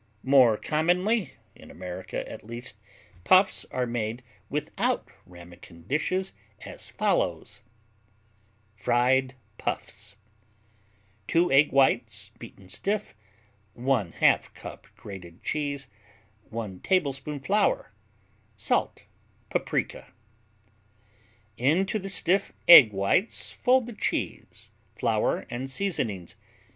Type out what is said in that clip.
More commonly, in America at least, Puffs are made without ramekin dishes, as follows: Fried Puffs 2 egg whites, beaten stiff 1/2 cup grated cheese 1 tablespoon flour Salt Paprika Into the stiff egg whites fold the cheese, flour and seasonings.